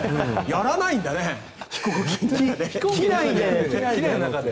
やらないんだね、飛行機の中で。